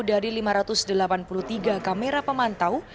dari lima ratus delapan puluh tiga kamera pemantau